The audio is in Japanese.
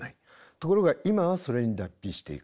ところが今はそれに脱皮していく。